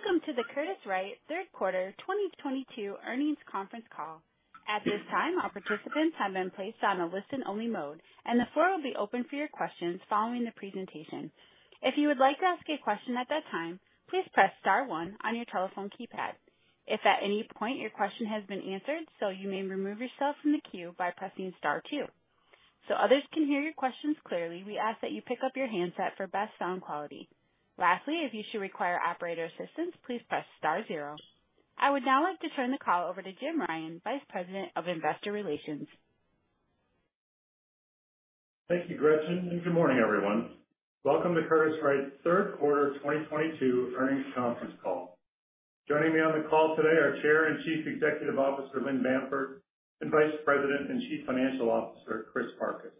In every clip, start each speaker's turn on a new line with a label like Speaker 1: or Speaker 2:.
Speaker 1: Welcome to the Curtiss-Wright Third Quarter 2022 Earnings Conference Call. At this time, all participants have been placed on a listen-only mode, and the floor will be open for your questions following the presentation. If you would like to ask a question at that time, please press star one on your telephone keypad. If at any point your question has been answered, so you may remove yourself from the queue by pressing star two. So others can hear your questions clearly, we ask that you pick up your handset for best sound quality. Lastly, if you should require operator assistance, please press star zero. I would now like to turn the call over to Jim Ryan, Vice President of Investor Relations.
Speaker 2: Thank you, Gretchen, and good morning, everyone. Welcome to Curtiss-Wright's Third Quarter 2022 Earnings Conference Call. Joining me on the call today are Chair and Chief Executive Officer, Lynn Bamford, and Vice President and Chief Financial Officer, Chris Farkas.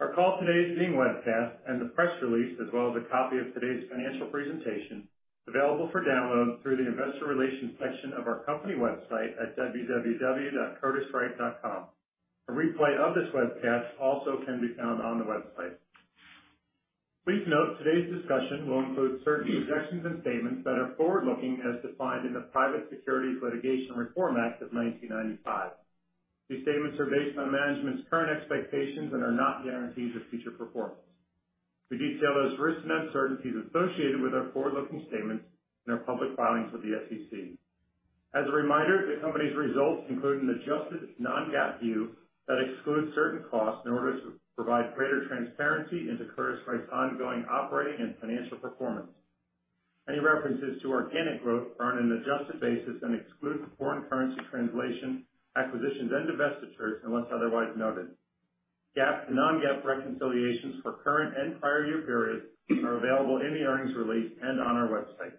Speaker 2: Our call today is being webcast, and the press release, as well as a copy of today's financial presentation, available for download through the investor relations section of our company website at www.curtisswright.com. A replay of this webcast also can be found on the website. Please note, today's discussion will include certain projections and statements that are forward-looking as defined in the Private Securities Litigation Reform Act of 1995. These statements are based on management's current expectations and are not guarantees of future performance. We detail those risks and uncertainties associated with our forward-looking statements in our public filings with the SEC. As a reminder, the company's results include an adjusted non-GAAP view that excludes certain costs in order to provide greater transparency into Curtiss-Wright's ongoing operating and financial performance. Any references to organic growth are on an adjusted basis and exclude foreign currency translation, acquisitions, and divestitures, unless otherwise noted. GAAP and non-GAAP reconciliations for current and prior year periods are available in the earnings release and on our website.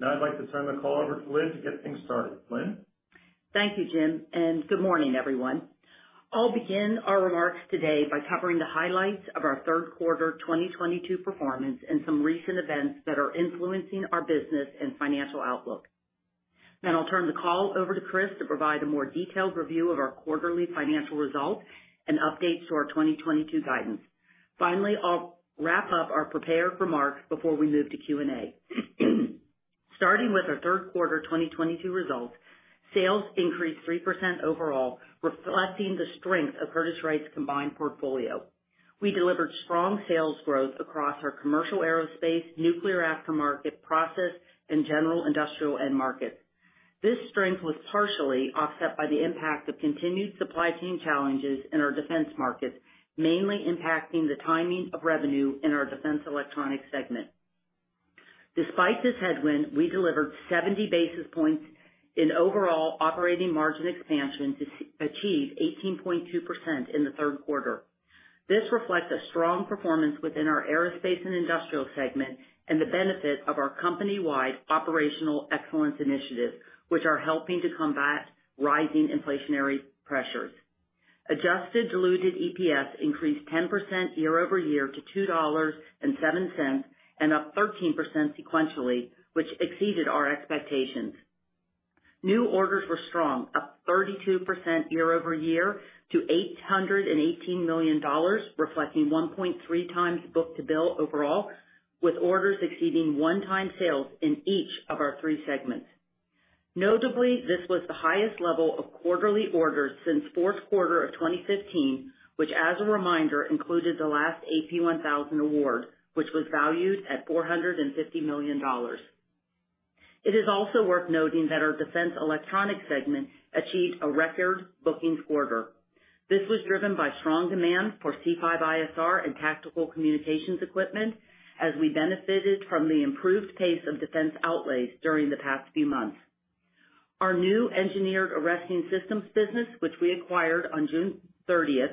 Speaker 2: Now I'd like to turn the call over to Lynn to get things started. Lynn?
Speaker 3: Thank you, Jim, and good morning, everyone. I'll begin our remarks today by covering the highlights of our third quarter 2022 performance and some recent events that are influencing our business and financial outlook. I'll turn the call over to Chris to provide a more detailed review of our quarterly financial results and updates to our 2022 guidance. Finally, I'll wrap up our prepared remarks before we move to Q&A. Starting with our third quarter 2022 results, sales increased 3% overall, reflecting the strength of Curtiss-Wright's combined portfolio. We delivered strong sales growth across our commercial aerospace, nuclear aftermarket, process, and general industrial end markets. This strength was partially offset by the impact of continued supply chain challenges in our defense markets, mainly impacting the timing of revenue in our defense electronics segment. Despite this headwind, we delivered 70 basis points in overall operating margin expansion to achieve 18.2% in the third quarter. This reflects a strong performance within our Aerospace & Industrial segment and the benefit of our company-wide operational excellence initiative, which are helping to combat rising inflationary pressures. Adjusted diluted EPS increased 10% year-over-year to $2.07, and up 13% sequentially, which exceeded our expectations. New orders were strong, up 32% year-over-year to $818 million, reflecting 1.3x book-to-bill overall, with orders exceeding 1x sales in each of our three segments. Notably, this was the highest level of quarterly orders since fourth quarter of 2015, which, as a reminder, included the last AP1000 award, which was valued at $450 million. It is also worth noting that our defense electronics segment achieved a record-bookings quarter. This was driven by strong demand for C5ISR and tactical communications equipment as we benefited from the improved pace of defense outlays during the past few months. Our new Engineered Arresting Systems business, which we acquired on June thirtieth,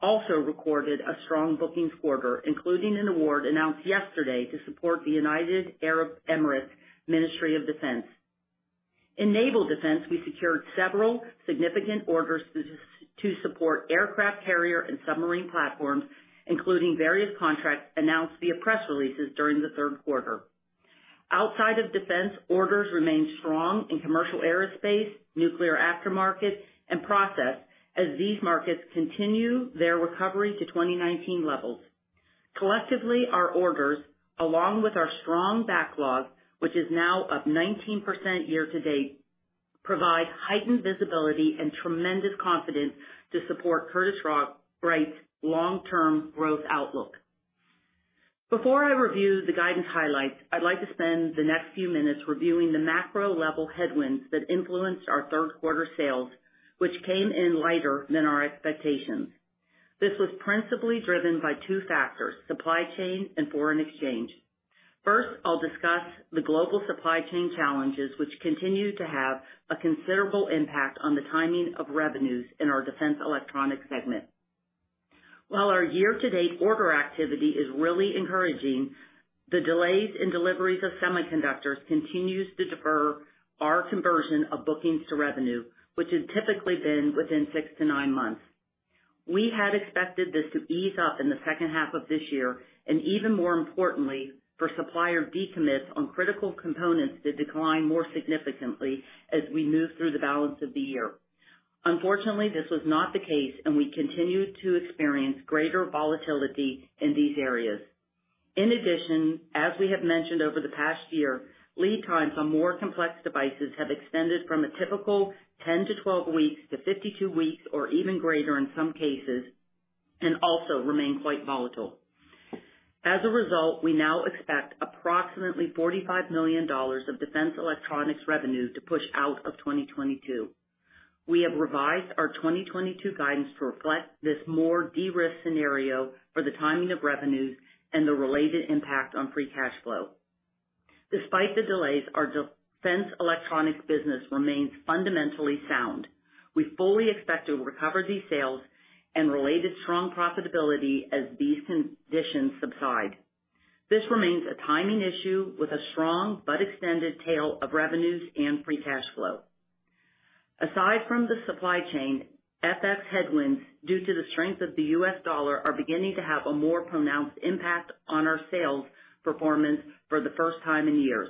Speaker 3: also recorded a strong bookings quarter, including an award announced yesterday to support the United Arab Emirates Ministry of Defence. In naval defense, we secured several significant orders to support aircraft carrier and submarine platforms, including various contracts announced via press releases during the third quarter. Outside of defense, orders remained strong in commercial aerospace, nuclear aftermarket, and process as these markets continue their recovery to 2019 levels. Collectively, our orders, along with our strong backlog, which is now up 19% year-to-date, provide heightened visibility and tremendous confidence to support Curtiss-Wright's long-term growth outlook. Before I review the guidance highlights, I'd like to spend the next few minutes reviewing the macro-level headwinds that influenced our third-quarter sales, which came in lighter than our expectations. This was principally driven by two factors, supply chain and foreign exchange. First, I'll discuss the global supply chain challenges, which continue to have a considerable impact on the timing of revenues in our defense electronics segment. While our year-to-date order activity is really encouraging, the delays in deliveries of semiconductors continues to defer our conversion of bookings to revenue, which has typically been within six to nine months. We had expected this to ease up in the second half of this year, and even more importantly, for supplier decommits on critical components to decline more significantly as we move through the balance of the year. Unfortunately, this was not the case, and we continued to experience greater volatility in these areas. In addition, as we have mentioned over the past year, lead times on more complex devices have extended from a typical 10-12 weeks to 52 weeks or even greater in some cases, and also remain quite volatile. As a result, we now expect approximately $45 million of defense electronics revenue to push out of 2022. We have revised our 2022 guidance to reflect this more de-risk scenario for the timing of revenues and the related impact on free cash flow. Despite the delays, our defense electronics business remains fundamentally sound. We fully expect to recover these sales and related strong profitability as these conditions subside. This remains a timing issue with a strong but extended tail of revenues and free cash flow. Aside from the supply chain, FX headwinds, due to the strength of the US dollar, are beginning to have a more pronounced impact on our sales performance for the first time in years.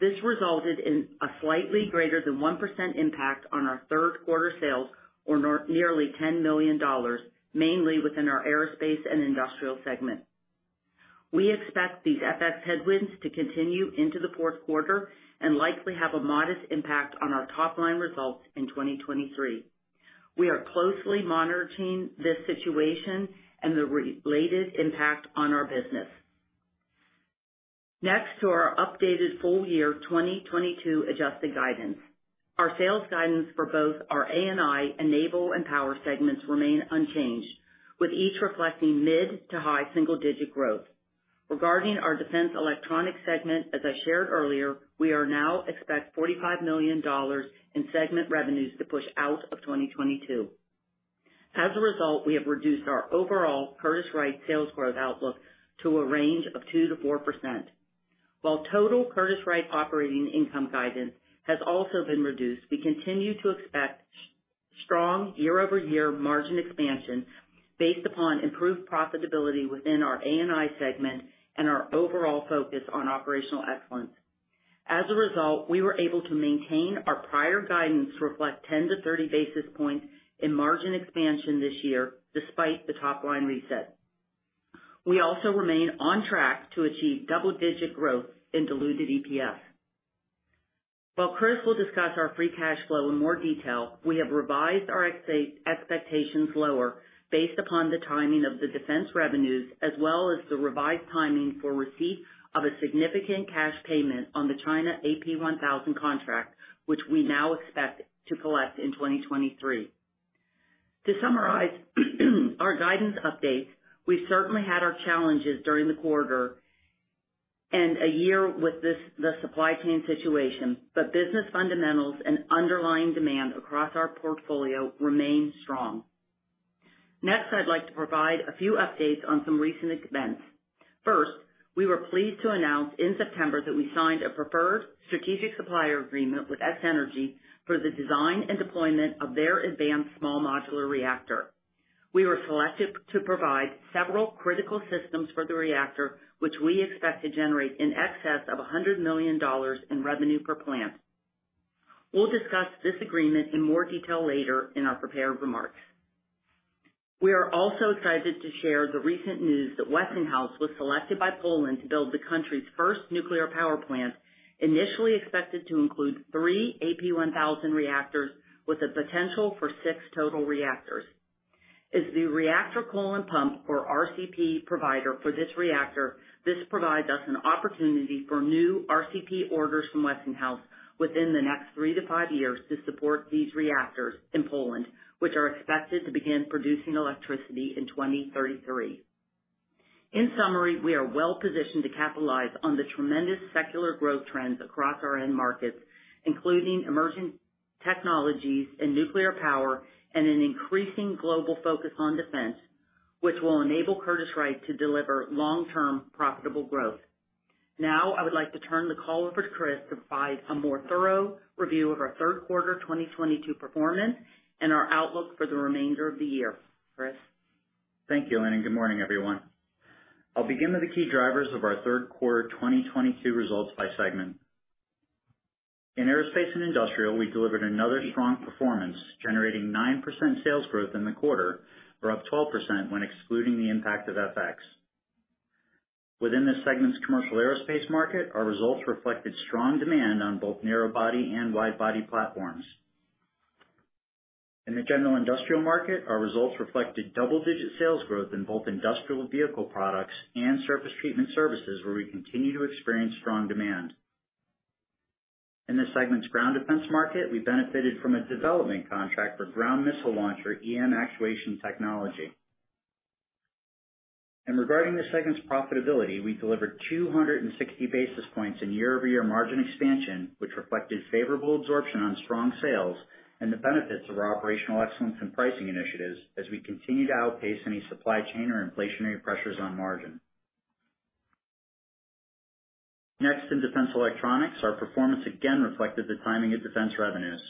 Speaker 3: This resulted in a slightly greater than 1% impact on our third-quarter sales or nearly $10 million, mainly within our Aerospace & Industrial segment. We expect these FX headwinds to continue into the fourth quarter and likely have a modest impact on our top-line results in 2023. We are closely monitoring this situation and the related impact on our business. Next to our updated full-year 2022 adjusted guidance. Our sales guidance for both our A&I, Naval and Power segments remain unchanged, with each reflecting mid- to high-single-digit growth. Regarding our defense electronics segment, as I shared earlier, we now expect $45 million in segment revenues to push out of 2022. As a result, we have reduced our overall Curtiss-Wright sales growth outlook to a range of 2%-4%. While total Curtiss-Wright operating income guidance has also been reduced, we continue to expect strong year-over-year margin expansion based upon improved profitability within our A&I segment and our overall focus on operational excellence. As a result, we were able to maintain our prior guidance to reflect 10-30 basis points in margin expansion this year despite the top-line reset. We also remain on track to achieve double-digit growth in diluted EPS. While Chris will discuss our free cash flow in more detail, we have revised our expectations lower based upon the timing of the defense revenues as well as the revised timing for receipt of a significant cash payment on the China AP1000 contract, which we now expect to collect in 2023. To summarize our guidance updates, we've certainly had our challenges during the quarter and a year with this, the supply chain situation, but business fundamentals and underlying demand across our portfolio remain strong. Next, I'd like to provide a few updates on some recent events. First, we were pleased to announce in September that we signed a preferred strategic supplier agreement with X-energy for the design and deployment of their advanced small modular reactor. We were selected to provide several critical systems for the reactor, which we expect to generate in excess of $100 million in revenue per plant. We'll discuss this agreement in more detail later in our prepared remarks. We are also excited to share the recent news that Westinghouse was selected by Poland to build the country's first nuclear power plant, initially expected to include three AP1000 reactors with the potential for six total reactors. As the Reactor Coolant Pump, or RCP, provider for this reactor, this provides us an opportunity for new RCP orders from Westinghouse within the next three to five years to support these reactors in Poland, which are expected to begin producing electricity in 2033. In summary, we are well positioned to capitalize on the tremendous secular growth trends across our end markets, including emerging technologies in nuclear power and an increasing global focus on defense, which will enable Curtiss-Wright to deliver long-term profitable growth. Now, I would like to turn the call over to Chris to provide a more thorough review of our third quarter 2022 performance and our outlook for the remainder of the year. Chris?
Speaker 4: Thank you, Lynn, and good morning, everyone. I'll begin with the key drivers of our third quarter 2022 results by segment. In Aerospace & Industrial, we delivered another strong performance, generating 9% sales growth in the quarter, or up 12% when excluding the impact of FX. Within this segment's commercial aerospace market, our results reflected strong demand on both narrow body and wide-body platforms. In the general industrial market, our results reflected double-digit sales growth in both industrial vehicle products and surface treatment services, where we continue to experience strong demand. In this segment's ground defense market, we benefited from a development contract for ground missile launcher EM actuation technology. Regarding the segment's profitability, we delivered 260 basis points in year-over-year margin expansion, which reflected favorable absorption on strong sales and the benefits of our operational excellence and pricing initiatives as we continue to outpace any supply chain or inflationary pressures on margin. Next, in defense electronics, our performance again reflected the timing of defense revenues.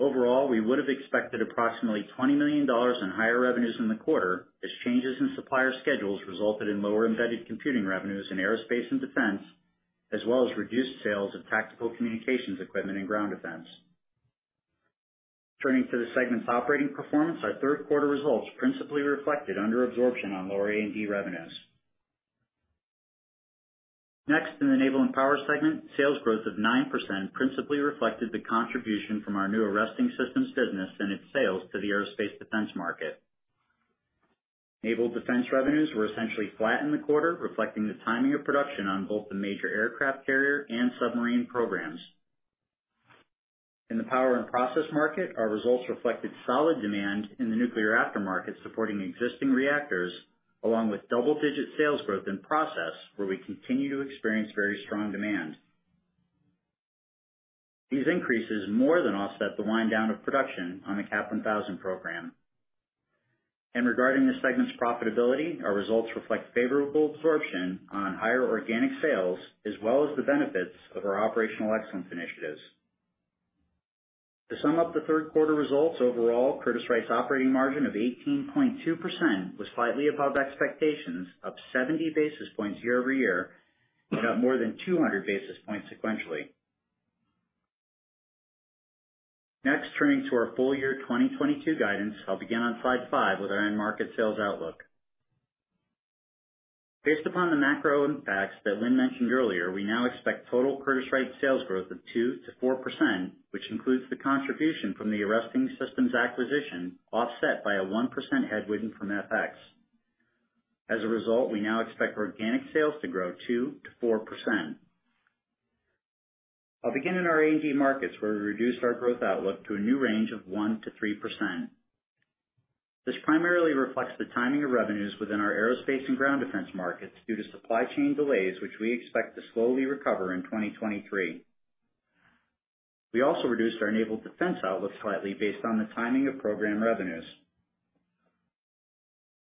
Speaker 4: Overall, we would have expected approximately $20 million in higher revenues in the quarter as changes in supplier schedules resulted in lower embedded computing revenues in aerospace and defense. As well as reduced sales of tactical communications equipment and ground defense. Turning to the segment's operating performance, our third quarter results principally reflected under absorption on lower A&D revenues. Next, in the naval and power segment, sales growth of 9% principally reflected the contribution from our new arresting systems business and its sales to the aerospace defense market. Naval defense revenues were essentially flat in the quarter, reflecting the timing of production on both the major aircraft carrier and submarine programs. In the power and process market, our results reflected solid demand in the nuclear aftermarket, supporting existing reactors, along with double-digit sales growth in process, where we continue to experience very strong demand. These increases more than offset the wind-down of production on the AP1000 program. Regarding the segment's profitability, our results reflect favorable absorption on higher organic sales, as well as the benefits of our operational excellence initiatives. To sum up the third quarter results overall, Curtiss-Wright's operating margin of 18.2% was slightly above expectations, up 70 basis points year-over-year, and up more than 200 basis points sequentially. Next, turning to our full-year 2022 guidance. I'll begin on slide five with our end market sales outlook. Based upon the macro impacts that Lynn mentioned earlier, we now expect total Curtiss-Wright sales growth of 2%-4%, which includes the contribution from the arresting systems acquisition, offset by a 1% headwind from FX. As a result, we now expect organic sales to grow 2%-4%. I'll begin in our A&D markets, where we reduced our growth outlook to a new range of 1%-3%. This primarily reflects the timing of revenues within our aerospace and ground defense markets due to supply chain delays, which we expect to slowly recover in 2023. We also reduced our naval defense outlook slightly based on the timing of program revenues.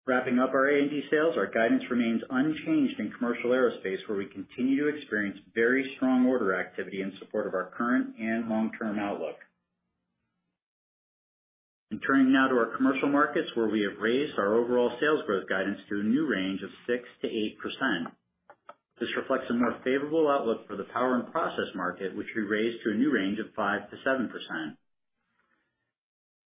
Speaker 4: Wrapping up our A&D sales, our guidance remains unchanged in commercial aerospace, where we continue to experience very strong order activity in support of our current and long-term outlook. Turning now to our commercial markets, where we have raised our overall sales growth guidance to a new range of 6%-8%. This reflects a more favorable outlook for the power and process market, which we raised to a new range of 5%-7%.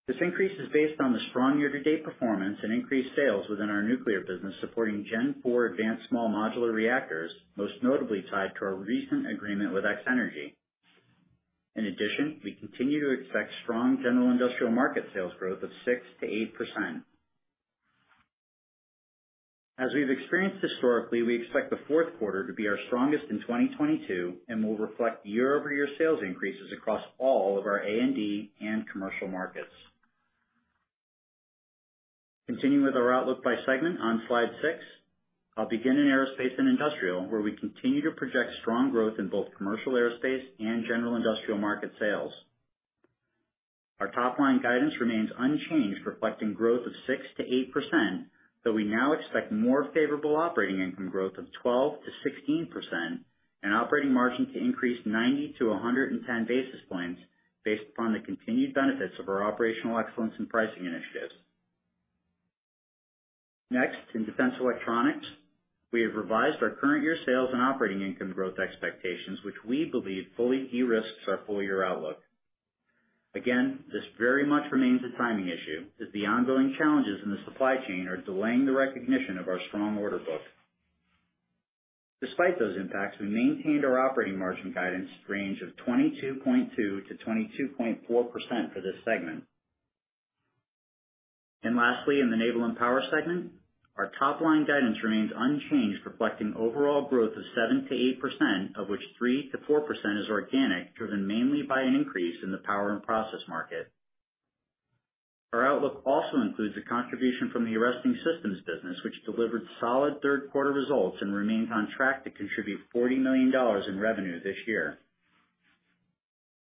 Speaker 4: This increase is based on the strong year-to-date performance and increased sales within our nuclear business, supporting Gen IV advanced small modular reactors, most notably tied to our recent agreement with X-energy. In addition, we continue to expect strong general industrial market sales growth of 6%-8%. As we've experienced historically, we expect the fourth quarter to be our strongest in 2022, and will reflect year-over-year sales increases across all of our A&D and commercial markets. Continuing with our outlook by segment on slide six, I'll begin in Aerospace & Industrial, where we continue to project strong growth in both commercial aerospace and general industrial market sales. Our top-line guidance remains unchanged, reflecting growth of 6%-8%, though we now expect more favorable operating income growth of 12%-16% and operating margin to increase 90-110 basis points based upon the continued benefits of our operational excellence and pricing initiatives. Next, in defense electronics, we have revised our current year sales and operating income growth expectations, which we believe fully de-risks our full-year outlook. Again, this very much remains a timing issue, as the ongoing challenges in the supply chain are delaying the recognition of our strong order book. Despite those impacts, we maintained our operating margin guidance range of 22.2%-22.4% for this segment. Lastly, in the Naval & Power segment, our top-line guidance remains unchanged, reflecting overall growth of 7%-8%, of which 3%-4% is organic, driven mainly by an increase in the power and process market. Our outlook also includes a contribution from the arresting systems business, which delivered solid third-quarter results and remains on track to contribute $40 million in revenue this year.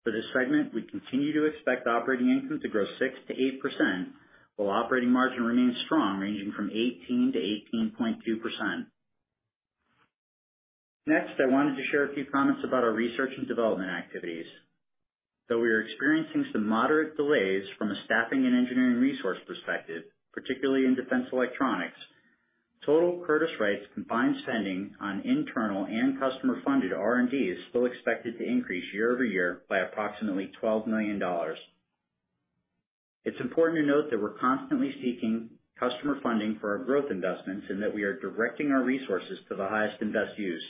Speaker 4: For this segment, we continue to expect operating income to grow 6%-8%, while operating margin remains strong, ranging from 18%-18.2%. Next, I wanted to share a few comments about our research and development activities. Though we are experiencing some moderate delays from a staffing and engineering resource perspective, particularly in defense electronics, total Curtiss-Wright's combined spending on internal and customer-funded R&D is still expected to increase year-over-year by approximately $12 million. It's important to note that we're constantly seeking customer funding for our growth investments, and that we are directing our resources to the highest and best use.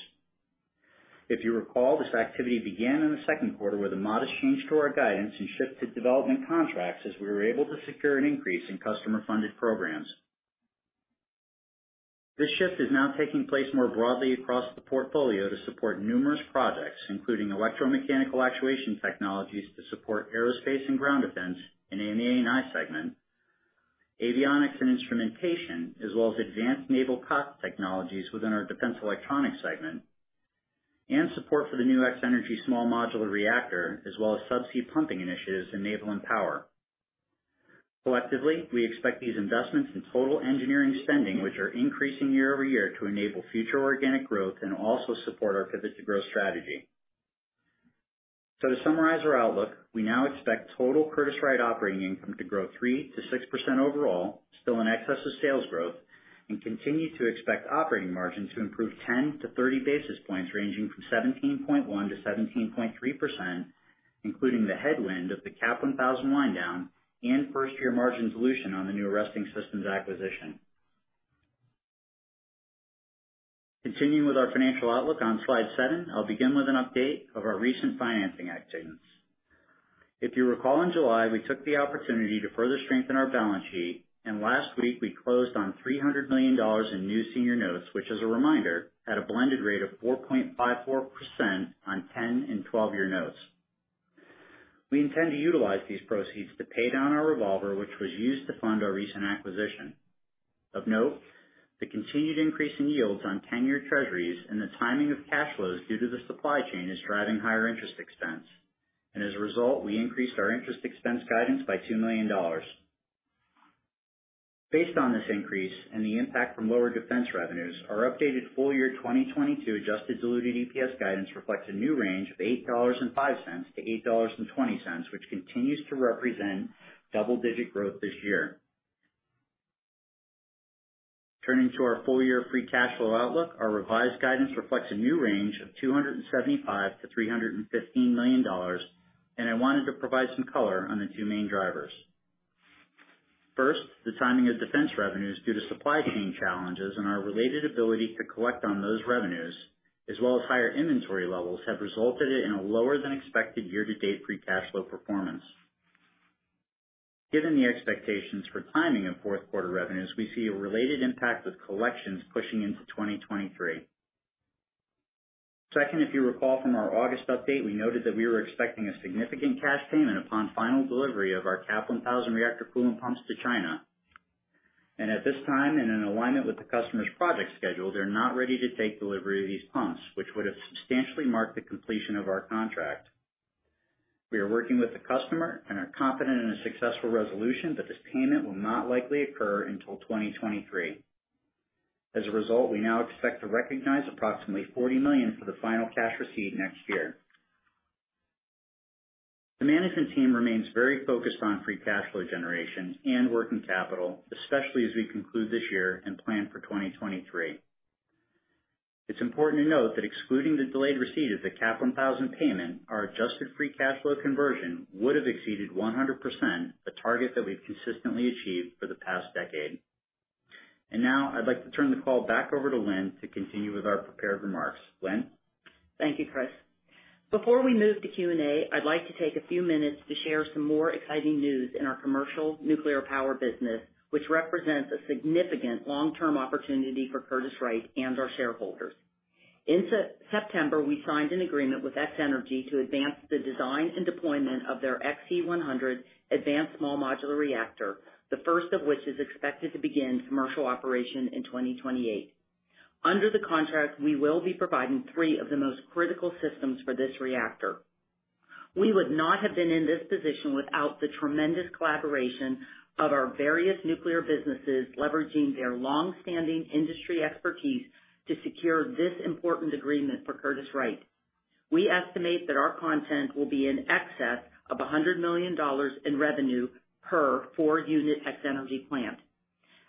Speaker 4: If you recall, this activity began in the second quarter with a modest change to our guidance and shift to development contracts as we were able to secure an increase in customer-funded programs. This shift is now taking place more broadly across the portfolio to support numerous projects, including electromechanical actuation technologies to support aerospace and ground defense in the A&I segment, avionics and instrumentation, as well as advanced naval COTS technologies within our defense electronics segment, and support for the new X-energy small modular reactor, as well as subsea pumping initiatives in naval and power. Collectively, we expect these investments in total engineering spending, which are increasing year-over-year to enable future organic growth and also support our Pivot to Growth strategy. To summarize our outlook, we now expect total Curtiss-Wright operating income to grow 3%-6% overall, still in excess of sales growth, and continue to expect operating margin to improve 10-30 basis points ranging from 17.1%-17.3%, including the headwind of the CAP 1000 wind down and first year margin dilution on the new arresting systems acquisition. Continuing with our financial outlook on slide seven, I'll begin with an update of our recent financing activities. If you recall, in July, we took the opportunity to further strengthen our balance sheet, and last week we closed on $300 million in new senior notes, which, as a reminder, had a blended rate of 4.54% on 10 and 12-year notes. We intend to utilize these proceeds to pay down our revolver, which was used to fund our recent acquisition. Of note, the continued increase in yields on 10-year Treasuries and the timing of cash flows due to the supply chain is driving higher interest expense. As a result, we increased our interest expense guidance by $2 million. Based on this increase and the impact from lower defense revenues, our updated full-year 2022 adjusted diluted EPS guidance reflects a new range of $8.05-$8.20, which continues to represent double-digit growth this year. Turning to our full-year free cash flow outlook. Our revised guidance reflects a new range of $275 million-$315 million, and I wanted to provide some color on the two main drivers. First, the timing of defense revenues due to supply chain challenges and our related ability to collect on those revenues as well as higher inventory levels, have resulted in a lower-than-expected year-to-date free cash flow performance. Given the expectations for timing of fourth quarter revenues, we see a related impact of collections pushing into 2023. Second, if you recall from our August update, we noted that we were expecting a significant cash payment upon final delivery of our AP1000 Reactor Coolant Pumps to China. At this time, and in alignment with the customer's project schedule, they're not ready to take delivery of these pumps, which would have substantially marked the completion of our contract. We are working with the customer and are confident in a successful resolution that this payment will not likely occur until 2023. As a result, we now expect to recognize approximately $40 million for the final cash receipt next year. The management team remains very focused on free cash flow generation and working capital, especially as we conclude this year and plan for 2023. It's important to note that excluding the delayed receipt of the CAP 1000 payment, our adjusted free cash flow conversion would have exceeded 100%, a target that we've consistently achieved for the past decade. Now I'd like to turn the call back over to Lynn to continue with our prepared remarks. Lynn?
Speaker 3: Thank you, Chris. Before we move to Q&A, I'd like to take a few minutes to share some more exciting news in our commercial nuclear power business, which represents a significant long-term opportunity for Curtiss-Wright and our shareholders. In September, we signed an agreement with X-energy to advance the design and deployment of their Xe-100 advanced small modular reactor, the first of which is expected to begin commercial operation in 2028. Under the contract, we will be providing three of the most critical systems for this reactor. We would not have been in this position without the tremendous collaboration of our various nuclear businesses, leveraging their long-standing industry expertise to secure this important agreement for Curtiss-Wright. We estimate that our content will be in excess of $100 million in revenue per four-unit X-energy plant.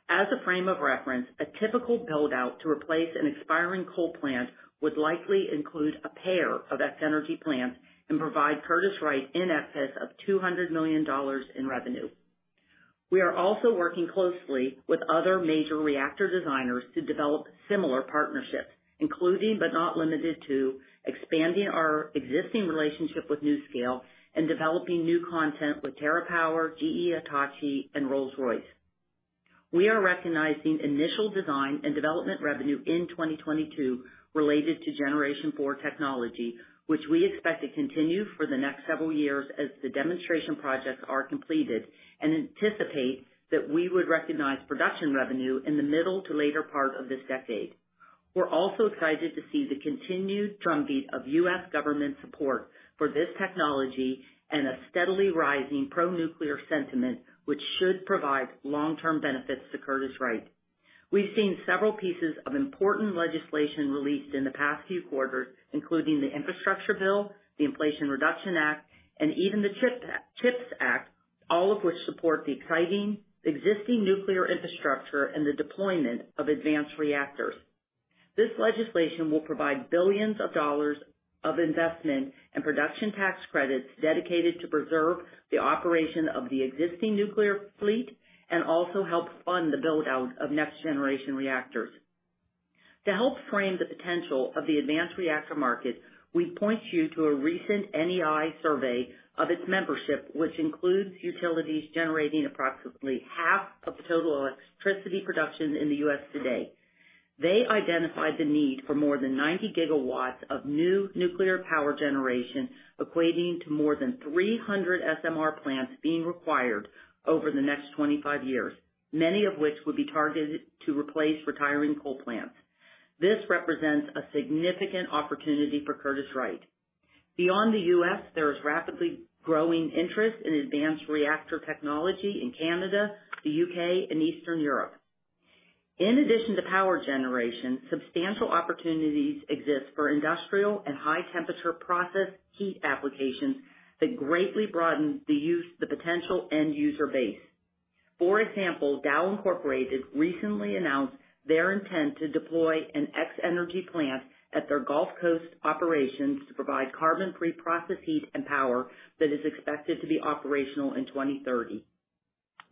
Speaker 3: As a frame of reference, a typical build-out to replace an expiring coal plant would likely include a pair of X-energy plants and provide Curtiss-Wright in excess of $200 million in revenue. We are also working closely with other major reactor designers to develop similar partnerships, including, but not limited to, expanding our existing relationship with NuScale and developing new components with TerraPower, GE Hitachi, and Rolls-Royce. We are recognizing initial design and development revenue in 2022 related to Generation four technology, which we expect to continue for the next several years as the demonstration projects are completed, and anticipate that we would recognize production revenue in the middle to later part of this decade. We're also excited to see the continued drumbeat of U.S. government support for this technology and a steadily rising pro-nuclear sentiment which should provide long-term benefits to Curtiss-Wright. We've seen several pieces of important legislation released in the past few quarters, including the Infrastructure Bill, the Inflation Reduction Act, and even the CHIPS Act, all of which support the exciting existing nuclear infrastructure and the deployment of advanced reactors. This legislation will provide billions of dollars of investment and production tax credits dedicated to preserve the operation of the existing nuclear fleet and also help fund the build-out of next-generation reactors. To help frame the potential of the advanced reactor market, we point you to a recent NEI survey of its membership, which includes utilities generating approximately half of the total electricity production in the U.S. today. They identified the need for more than 90 GW of new nuclear power generation, equating to more than 300 SMR plants being required over the next 25 years, many of which would be targeted to replace retiring coal plants. This represents a significant opportunity for Curtiss-Wright. Beyond the U.S., there is rapidly growing interest in advanced reactor technology in Canada, the U.K., and Eastern Europe. In addition to power generation, substantial opportunities exist for industrial and high-temperature process heat applications that greatly broaden the use of the potential end user base. For example, Dow Incorporated recently announced their intent to deploy an X-energy plant at their Gulf Coast operations to provide carbon-free process heat and power that is expected to be operational in 2030.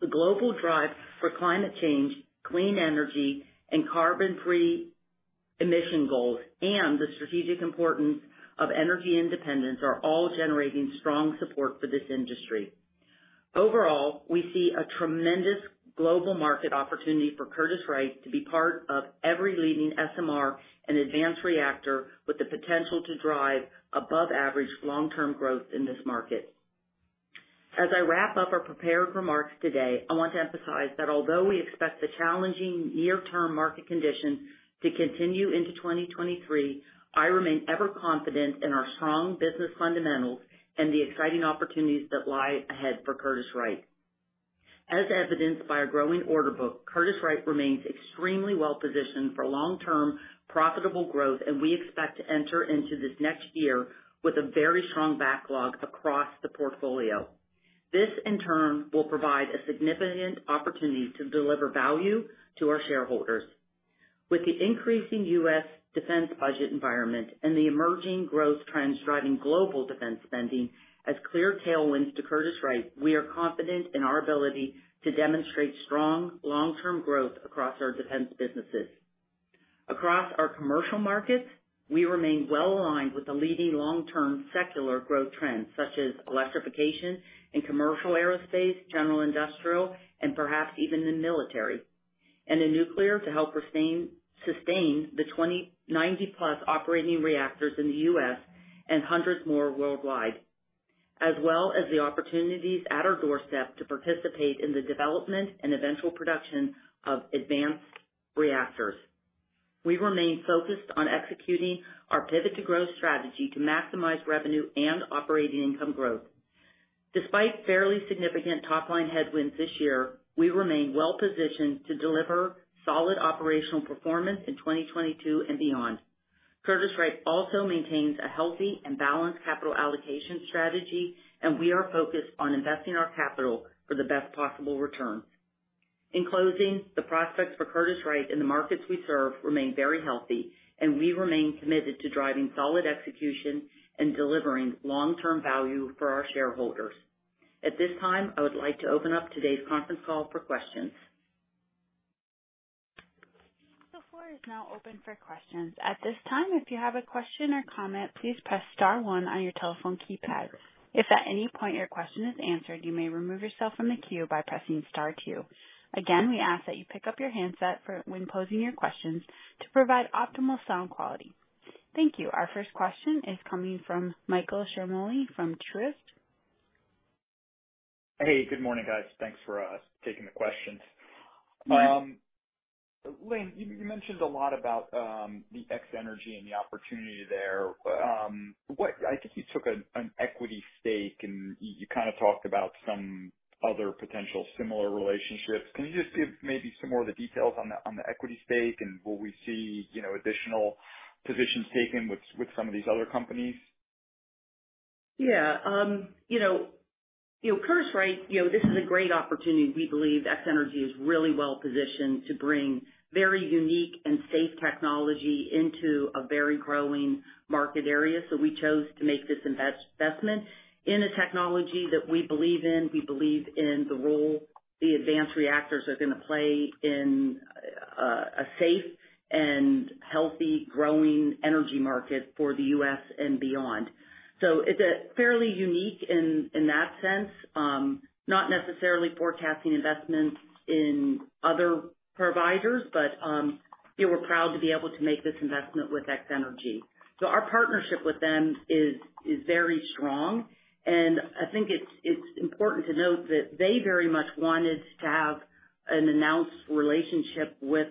Speaker 3: The global drive for climate change, clean energy, and carbon-free emission goals and the strategic importance of energy independence are all generating strong support for this industry. Overall, we see a tremendous global market opportunity for Curtiss-Wright to be part of every leading SMR and advanced reactor with the potential to drive above-average long-term growth in this market. As I wrap up our prepared remarks today, I want to emphasize that although we expect the challenging near-term market conditions to continue into 2023, I remain ever confident in our strong business fundamentals and the exciting opportunities that lie ahead for Curtiss-Wright. As evidenced by our growing order book, Curtiss-Wright remains extremely well-positioned for long-term profitable growth, and we expect to enter into this next year with a very strong backlog across the portfolio. This, in turn, will provide a significant opportunity to deliver value to our shareholders. With the increasing U.S. defense budget environment and the emerging growth trends driving global defense spending as clear tailwinds to Curtiss-Wright, we are confident in our ability to demonstrate strong long-term growth across our defense businesses. Across our commercial markets, we remain well aligned with the leading long-term secular growth trends, such as electrification in commercial aerospace, general industrial, and perhaps even in military, and in nuclear to help sustain the ninety-plus operating reactors in the U.S. and hundreds more worldwide, as well as the opportunities at our doorstep to participate in the development and eventual production of advanced reactors. We remain focused on executing our Pivot to Growth strategy to maximize revenue and operating income growth. Despite fairly significant top-line headwinds this year, we remain well-positioned to deliver solid operational performance in 2022 and beyond. Curtiss-Wright also maintains a healthy and balanced capital allocation strategy, and we are focused on investing our capital for the best possible return. In closing, the prospects for Curtiss-Wright in the markets we serve remain very healthy, and we remain committed to driving solid execution and delivering long-term value for our shareholders. At this time, I would like to open up today's conference call for questions.
Speaker 1: The floor is now open for questions. At this time, if you have a question or comment, please press star one on your telephone keypad. If at any point your question is answered, you may remove yourself from the queue by pressing star two. Again, we ask that you pick up your handset when posing your questions to provide optimal sound quality. Thank you. Our first question is coming from Michael Ciarmoli from Truist.
Speaker 5: Hey, good morning, guys. Thanks for taking the questions. Lynn, you mentioned a lot about the X-energy and the opportunity there. I think you took an equity stake, and you kind of talked about some other potential similar relationships. Can you just give maybe some more of the details on the equity stake and will we see, you know, additional positions taken with some of these other companies?
Speaker 3: Yeah. You know, Curtiss-Wright, you know, this is a great opportunity. We believe X-energy is really well positioned to bring very unique and safe technology into a very growing market area. We chose to make this investment in a technology that we believe in. We believe in the role the advanced reactors are gonna play in a safe and healthy growing energy market for the U.S. and beyond. It's fairly unique in that sense. Not necessarily forecasting investments in other providers, but you know, we're proud to be able to make this investment with X-energy. Our partnership with them is very strong, and I think it's important to note that they very much wanted to have an announced relationship with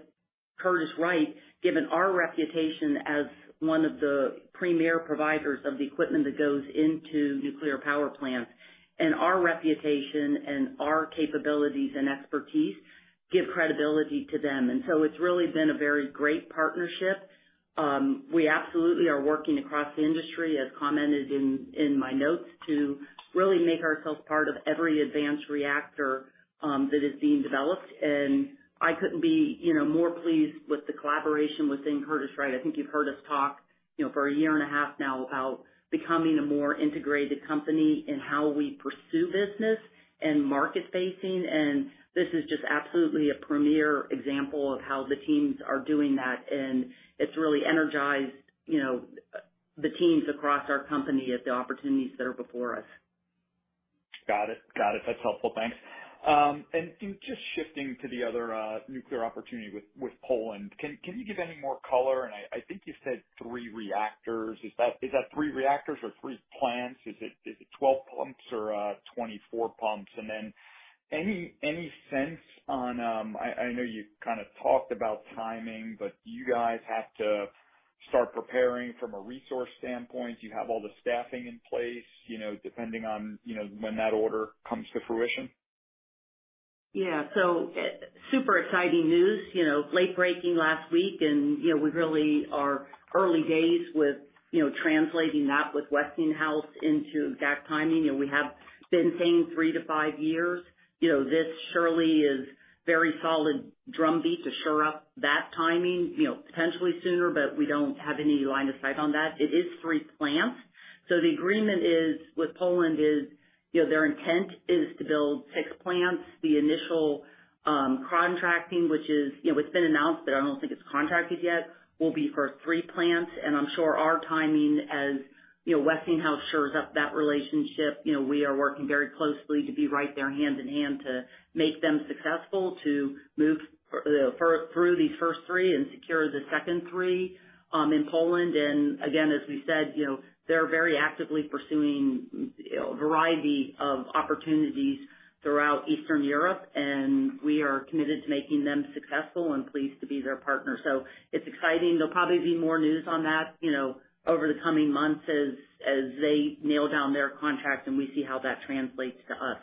Speaker 3: Curtiss-Wright, given our reputation as one of the premier providers of the equipment that goes into nuclear power plants. Our reputation and our capabilities and expertise give credibility to them. It's really been a very great partnership. We absolutely are working across the industry, as commented in my notes, to really make ourselves part of every advanced reactor that is being developed. I couldn't be, you know, more pleased with the collaboration within Curtiss-Wright. I think you've heard us talk, you know, for a year and a half now about becoming a more integrated company in how we pursue business and market-facing. This is just absolutely a premier example of how the teams are doing that. It's really energized, you know, the teams across our company at the opportunities that are before us.
Speaker 5: Got it. That's helpful. Thanks. In just shifting to the other nuclear opportunity with Poland, can you give any more color? I think you said three reactors. Is that three reactors or three plants? Is it 12 pumps or 24 pumps? Any sense on, I know you kind of talked about timing, but do you guys have to start preparing from a resource standpoint? Do you have all the staffing in place, you know, depending on, you know, when that order comes to fruition?
Speaker 3: Yeah. Super exciting news, you know, late-breaking last week. You know, we really are early days with, you know, translating that with Westinghouse into exact timing. You know, we have been saying three to five years. You know, this surely is very solid drumbeat to shore up that timing, you know, potentially sooner, but we don't have any line of sight on that. It is three plants. The agreement is with Poland is, you know, their intent is to build six plants. The initial contracting, which is, you know, it's been announced but I don't think it's contracted yet, will be for three plants. I'm sure our timing as, you know, Westinghouse shores up that relationship. You know, we are working very closely to be right there hand in hand to make them successful, to move through these first three and secure the second three, in Poland. Again, as we said, you know, they're very actively pursuing, you know, a variety of opportunities throughout Eastern Europe, and we are committed to making them successful and pleased to be their partner. It's exciting. There'll probably be more news on that, you know, over the coming months as they nail down their contracts and we see how that translates to us.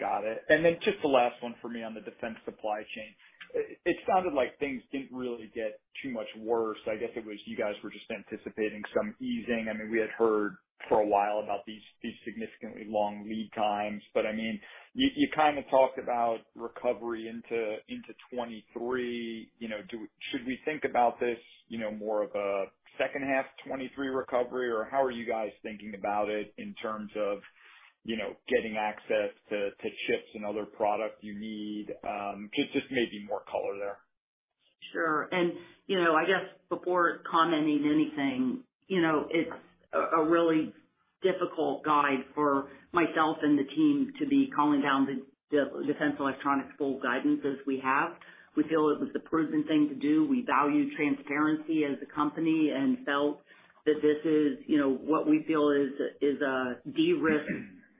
Speaker 5: Got it. Then just the last one for me on the defense supply chain. It sounded like things didn't really get too much worse. I guess it was you guys were just anticipating some easing. I mean, we had heard for a while about these significantly long lead times, but I mean, you kind of talked about recovery into 2023. You know, should we think about this, you know, more of a second half 2023 recovery or how are you guys thinking about it in terms of, you know, getting access to chips and other products you need? Just maybe more color there.
Speaker 3: Sure. You know, I guess before commenting anything, you know, it's a really difficult decision for myself and the team to be calling down the defense electronics full guidance as we have. We feel it was the prudent thing to do. We value transparency as a company and felt that this is, you know, what we feel is a de-risk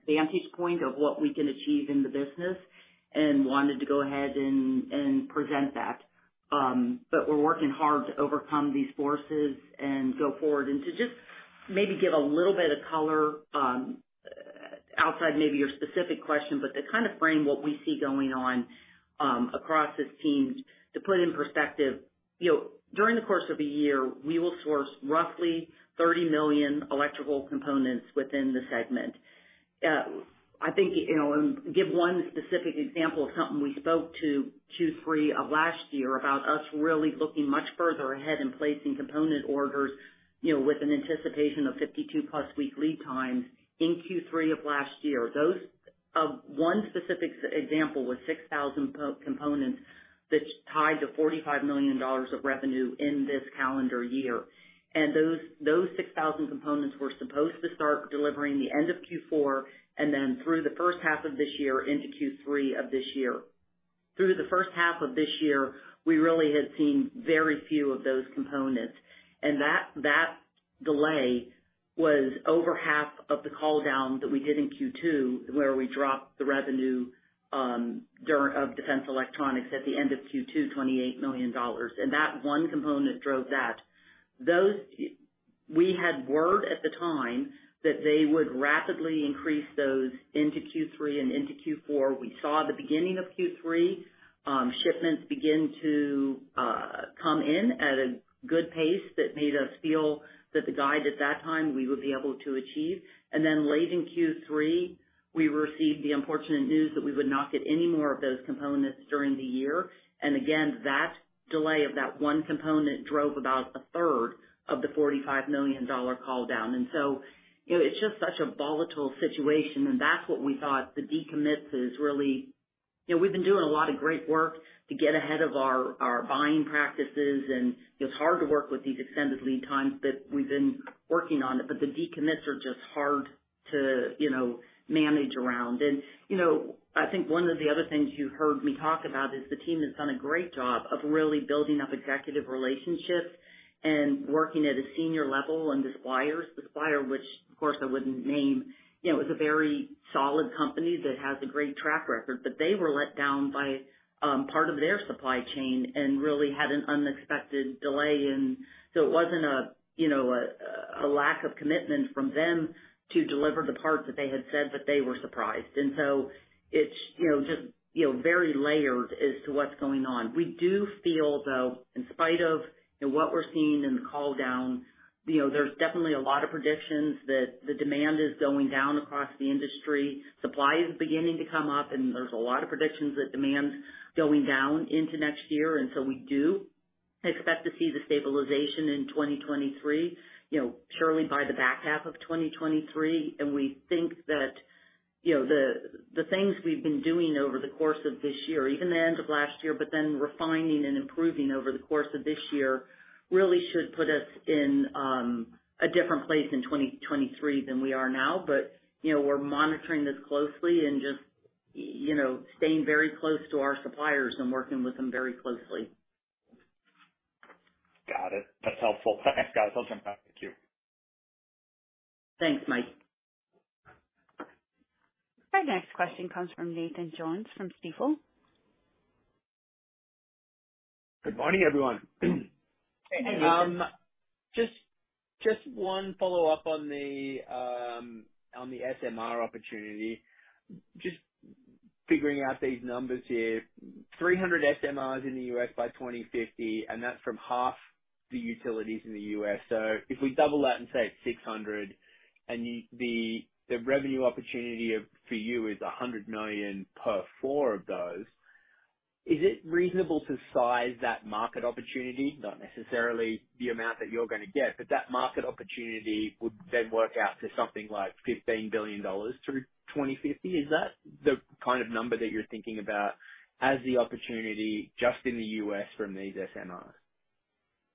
Speaker 3: vantage point of what we can achieve in the business and wanted to go ahead and present that. But we're working hard to overcome these forces and go forward. To just maybe give a little bit of color, outside maybe your specific question, but to kind of frame what we see going on, across this team, to put it in perspective, you know, during the course of a year, we will source roughly 30 million electrical components within the segment. I think, you know, give one specific example of something we spoke to Q3 of last year about us really looking much further ahead in placing component orders, you know, with an anticipation of 52-plus week lead times in Q3 of last year. One specific example was 6,000 components that tied to $45 million of revenue in this calendar year. Those 6,000 components were supposed to start delivering the end of Q4 and then through the first half of this year into Q3 of this year. Through the first half of this year, we really had seen very few of those components, and that delay was over half of the call-down that we did in Q2, where we dropped the revenue of defense electronics at the end of Q2 $28 million. That one component drove that. Those. We had word at the time that they would rapidly increase those into Q3 and into Q4. We saw the beginning of Q3, shipments begin to come in at a good pace that made us feel that the guide at that time we would be able to achieve. Then late in Q3, we received the unfortunate news that we would not get any more of those components during the year. Again, that delay of that one component drove about a third of the $45 million call down. So, you know, it's just such a volatile situation. That's what we thought the decommits is really. You know, we've been doing a lot of great work to get ahead of our buying practices. It's hard to work with these extended lead times, but we've been working on it. The decommits are just hard to, you know, manage around. You know, I think one of the other things you heard me talk about is the team has done a great job of really building up executive relationships and working at a senior level. The suppliers, the supplier which of course I wouldn't name, you know, is a very solid company that has a great track record, but they were let down by part of their supply chain and really had an unexpected delay. It wasn't a, you know, a lack of commitment from them to deliver the parts that they had said, but they were surprised. It's, you know, just, you know, very layered as to what's going on. We do feel though, in spite of, you know, what we're seeing in the call down, you know, there's definitely a lot of predictions that the demand is going down across the industry. Supply is beginning to come up and there's a lot of predictions that demand going down into next year. We do expect to see the stabilization in 2023, you know, surely by the back half of 2023. We think that, you know, the things we've been doing over the course of this year, even the end of last year, but then refining and improving over the course of this year, really should put us in a different place in 2023 than we are now. You know, we're monitoring this closely and just, you know, staying very close to our suppliers and working with them very closely.
Speaker 5: Got it. That's helpful. Thanks, guys. I'll jump back to you.
Speaker 3: Thanks, Mike.
Speaker 1: Our next question comes from Nathan Jones from Stifel.
Speaker 6: Good morning, everyone.
Speaker 3: Hey, Nathan.
Speaker 6: Just one follow-up on the SMR opportunity. Just figuring out these numbers here. 300 SMRs in the U.S. by 2050, and that's from half the utilities in the U.S. If we double that and say it's 600, the revenue opportunity for you is $100 million per four of those, is it reasonable to size that market opportunity, not necessarily the amount that you're gonna get, but that market opportunity would then work out to something like $15 billion through 2050? Is that the kind of number that you're thinking about as the opportunity just in the U.S. from these SMRs?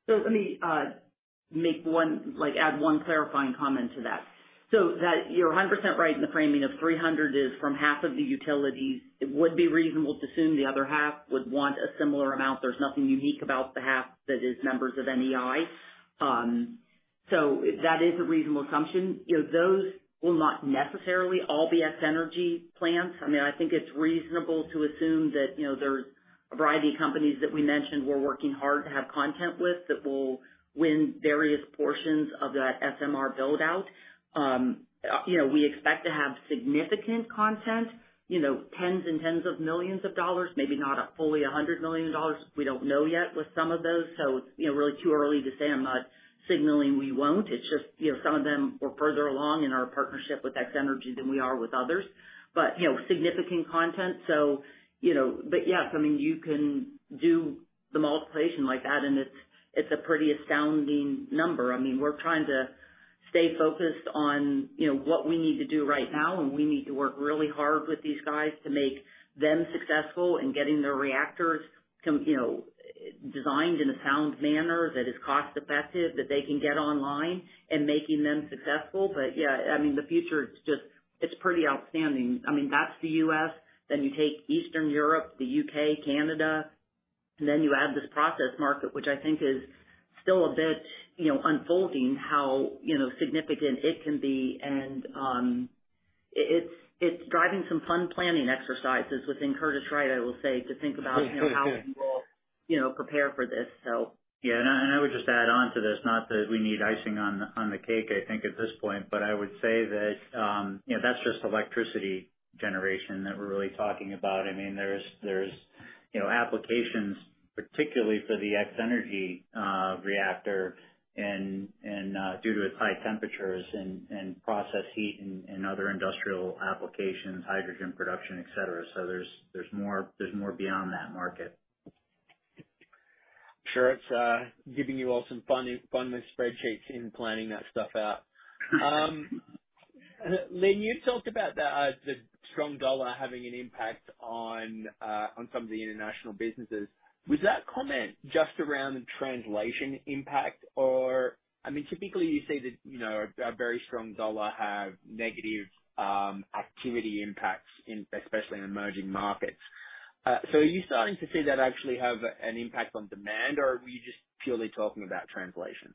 Speaker 3: Let me add one clarifying comment to that. You're 100% right in the framing of 300 is from half of the utilities. It would be reasonable to assume the other half would want a similar amount. There's nothing unique about the half that is members of NEI. That is a reasonable assumption. You know, those will not necessarily all be X-energy plants. I mean, I think it's reasonable to assume that, you know, there's a variety of companies that we mentioned we're working hard to have content with that will win various portions of that SMR build out. You know, we expect to have significant content, you know, tens and tens of millions of dollars, maybe not fully $100 million. We don't know yet with some of those. It's you know really too early to say. I'm not signaling we won't. It's just you know some of them we're further along in our partnership with X-energy than we are with others. You know significant content. You know. Yes I mean you can do the multiplication like that and it's a pretty astounding number. I mean we're trying to stay focused on you know what we need to do right now and we need to work really hard with these guys to make them successful in getting their reactors you know designed in a sound manner that is cost effective that they can get online and making them successful. Yeah I mean the future is just it's pretty outstanding. I mean, that's the U.S., then you take Eastern Europe, the U.K., Canada, and then you add this process market, which I think is still a bit, you know, unfolding how, you know, significant it can be. It's driving some fun planning exercises within Curtiss-Wright, I will say, to think about you know how we will, you know, prepare for this.
Speaker 4: Yeah, I would just add on to this, not that we need icing on the cake I think at this point, but I would say that you know, that's just electricity generation that we're really talking about. I mean, there's you know, applications particularly for the X-energy reactor and due to its high temperatures and process heat and other industrial applications, hydrogen production, et cetera. There's more beyond that market.
Speaker 6: Sure. It's giving you all some fun with spreadsheets in planning that stuff out. Lynn, you talked about the strong dollar having an impact on some of the international businesses. Was that comment just around the translation impact or I mean, typically you see the, you know, a very strong dollar have negative activity impacts especially in emerging markets. Are you starting to see that actually have an impact on demand, or were you just purely talking about translation?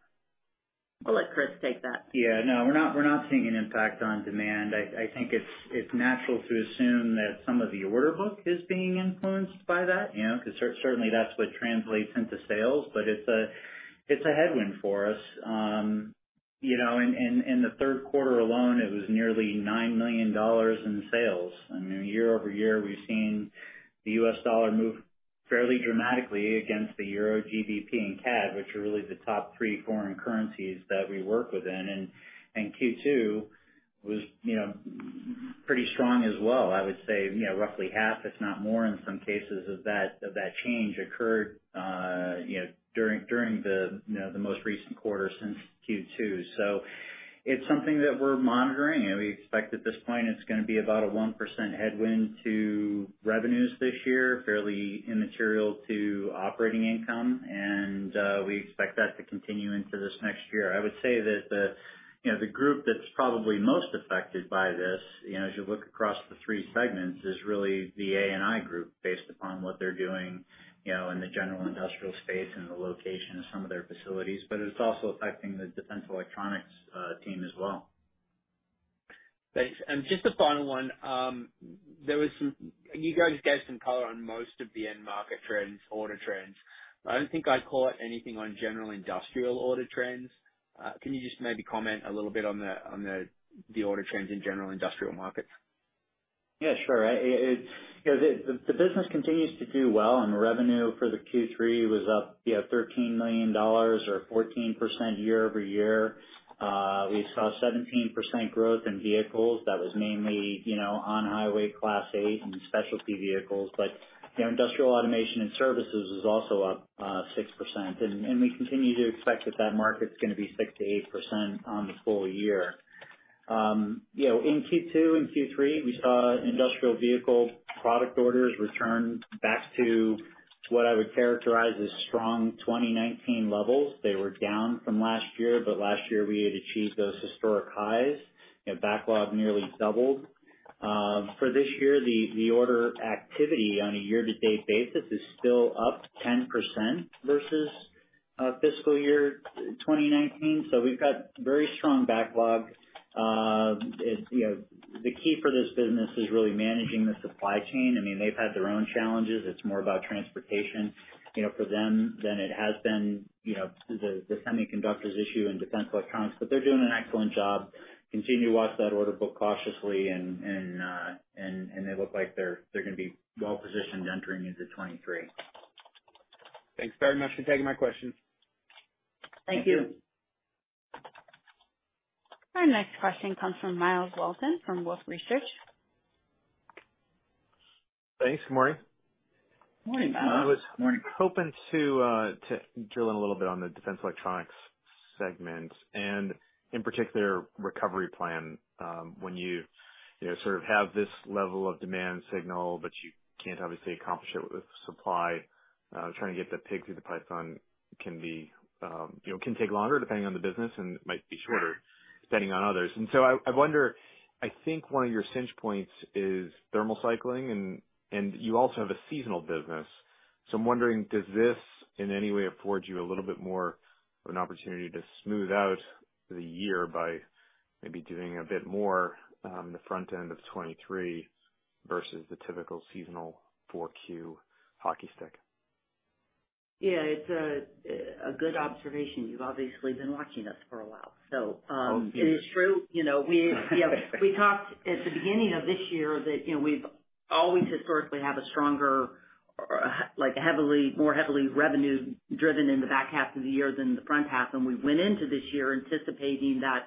Speaker 3: I'll let Chris take that.
Speaker 4: Yeah, no, we're not seeing an impact on demand. I think it's natural to assume that some of the order book is being influenced by that, you know, because certainly that's what translates into sales. But it's a headwind for us. You know, in the third quarter alone, it was nearly $9 million in sales. I mean, year-over-year, we've seen the U.S. dollar move fairly dramatically against the Euro, GBP and CAD, which are really the top three foreign currencies that we work within. Q2 was, you know, pretty strong as well. I would say, you know, roughly half, if not more in some cases of that change occurred, you know, during the most recent quarter since Q2. It's something that we're monitoring. You know, we expect at this point it's gonna be about a 1% headwind to revenues this year, fairly immaterial to operating income. We expect that to continue into this next year. I would say that the, you know, the group that's probably most affected by this, you know, as you look across the three segments, is really the A&I group based upon what they're doing, you know, in the general industrial space and the location of some of their facilities. It's also affecting the defense electronics team as well.
Speaker 6: Thanks. Just a final one. You guys gave some color on most of the end market trends, order trends. I don't think I caught anything on general industrial order trends. Can you just maybe comment a little bit on the order trends in general industrial markets?
Speaker 4: Yeah, sure. You know, the business continues to do well, and the revenue for Q3 was up, you know, $13 million or 14% year-over-year. We saw 17% growth in vehicles. That was mainly, you know, on-highway Class 8 and specialty vehicles. You know, industrial automation and services is also up 6%. We continue to expect that market's gonna be 6%-8% on the full year. You know, in Q2 and Q3, we saw industrial vehicle product orders return back to what I would characterize as strong 2019 levels. They were down from last year, but last year we had achieved those historic highs. You know, backlog nearly doubled. For this year, the order activity on a year-to-date basis is still up 10% versus Fiscal year 2019. We've got very strong backlog. It's the key for this business is really managing the supply chain. I mean, they've had their own challenges. It's more about transportation for them than it has been the semiconductors issue in defense electronics. They're doing an excellent job, continue to watch that order book cautiously and they look like they're gonna be well-positioned entering into 2023.
Speaker 6: Thanks very much for taking my questions.
Speaker 3: Thank you.
Speaker 1: Our next question comes from Myles Walton from Wolfe Research.
Speaker 7: Thanks. Good morning.
Speaker 3: Morning, Myles.
Speaker 4: Morning.
Speaker 7: I was hoping to drill in a little bit on the defense electronics segment and in particular recovery plan. When you know, sort of have this level of demand signal, but you can't obviously accomplish it with supply, trying to get the pig through the python can be, you know, can take longer depending on the business, and it might be shorter.
Speaker 3: Sure
Speaker 7: Depending on others. I wonder, I think one of your pinch points is thermal cycling and you also have a seasonal business. I'm wondering, does this in any way afford you a little bit more of an opportunity to smooth out the year by maybe doing a bit more, the front end of 2023 versus the typical seasonal 4Q hockey stick?
Speaker 3: Yeah, it's a good observation. You've obviously been watching us for a while.
Speaker 7: Oh, yeah.
Speaker 3: It is true. You know, we talked at the beginning of this year that, you know, we've always historically have a stronger or like a heavily more heavily revenue-driven in the back half of the year than the front half, and we went into this year anticipating that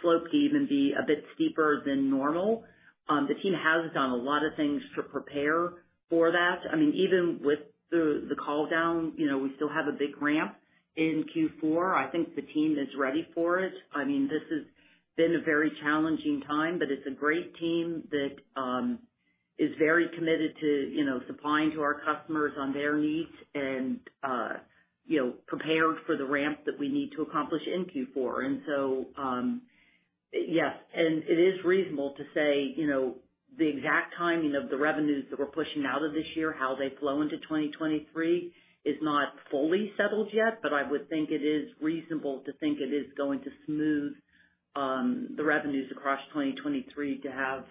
Speaker 3: slope to even be a bit steeper than normal. The team has done a lot of things to prepare for that. I mean, even with the call down, you know, we still have a big ramp in Q4. I think the team is ready for it. I mean, this has been a very challenging time, but it's a great team that is very committed to, you know, supplying to our customers on their needs and, you know, prepared for the ramp that we need to accomplish in Q4. Yes, it is reasonable to say, you know, the exact timing of the revenues that we're pushing out of this year, how they flow into 2023 is not fully settled yet. I would think it is reasonable to think it is going to smooth the revenues across 2023 to have